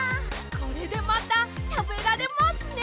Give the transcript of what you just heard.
これでまたたべられますね！